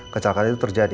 kecelakaan itu terjadi